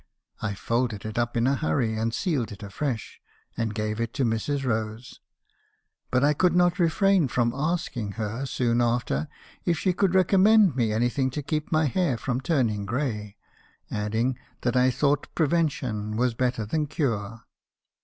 I folded it up in a hurry, and sealed it afresh, and gave it to Mrs. Rose; but 1 could not refrain from asking her, soon after, if she could recommend me anything to keep my hair from turning gray , adding that I thought prevention was better than cure.